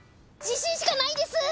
自信しかないです！